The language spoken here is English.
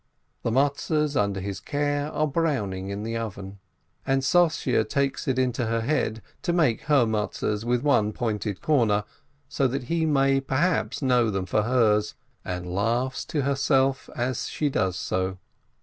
The Matzes under his care are browning in the oven. And Sossye takes it into her head to make her Matzes with one pointed corner, so that he may perhaps know them for hers, and laughs to herself as she does so.